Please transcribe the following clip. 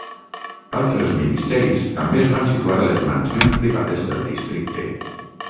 Altres ministeris també es van situar a les mansions privades del districte.